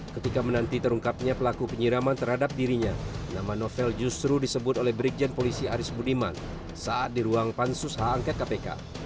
ketika menanti terungkapnya pelaku penyiraman terhadap dirinya nama novel justru disebut oleh brigjen polisi aris budiman saat di ruang pansus hak angket kpk